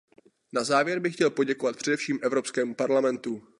Na závěr bych chtěl poděkovat především Evropskému parlamentu.